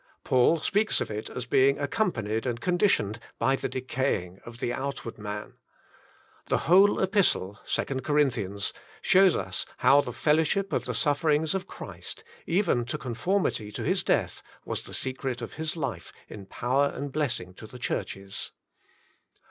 Paul speaks of it as being ac companied and conditioned by the decaying of the outward man. The whole epistle (2 Cor.) shows us how the fellowship of the sufferings of Christ, even to conformity to His death, was the secret of his life in power and blessing to the Churches.